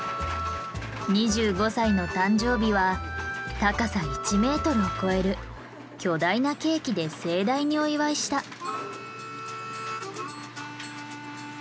２５歳の誕生日は高さ１ｍを超える巨大なケーキで盛大にお祝いした。